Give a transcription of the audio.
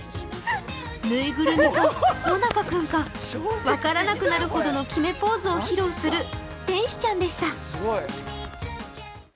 ぬいぐるみかもなか君か分からなくなるほどの決めポーズを披露する天使ちゃんでした。